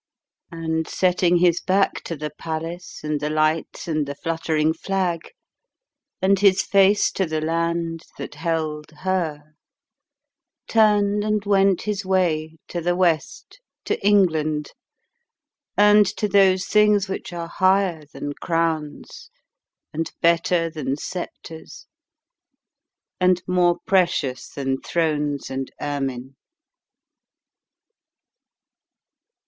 And, setting his back to the palace and the lights and the fluttering flag, and his face to the land that held her, turned and went his way to the West to England and to those things which are higher than crowns and better than sceptres and more precious than thrones and ermine.